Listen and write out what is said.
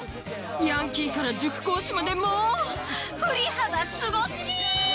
ヤンキーから塾講師までもう振り幅すご過ぎ！